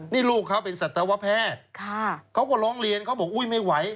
นี่ลูกเขาเป็นสัตวแพทย์เขาก็ร้องเรียนเขาบอกอุ๊ยไม่ไหว